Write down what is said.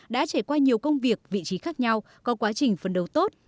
đã trải qua nhiều công việc vị trí khác nhau có quá trình phấn đấu tốt